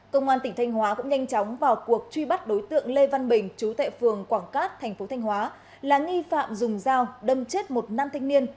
công an tỉnh thanh hóa cũng nhanh chóng vào cuộc truy bắt đối tượng lê văn bình chú tệ phường quảng cát thành phố thanh hóa là nghi phạm dùng dao đâm chết một nam thanh niên